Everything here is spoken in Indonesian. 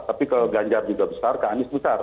tapi ke ganjar juga besar ke anies besar